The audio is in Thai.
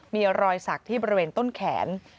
มีรอยสักที่บริเวณต้นแขน